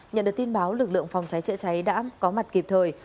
nhận được tin báo lực lượng phòng cháy chữa cháy đã có mặt kịp thời